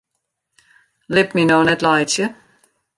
Lit my no net laitsje!